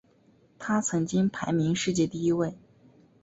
他曾经排名世界第一位。